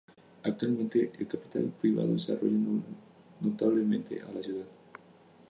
Actualmente, el capital privado desarrolla notablemente a la ciudad.